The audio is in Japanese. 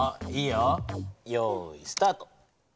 よいスタート。